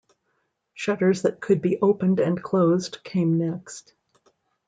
Shutters that could be opened and closed came next.